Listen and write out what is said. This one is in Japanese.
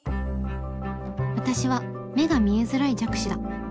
私は目が見えづらい弱視だ